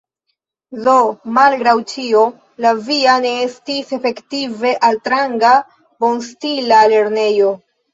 Do, malgraŭ ĉio, la via ne estis efektive altranga, bonstila lernejo.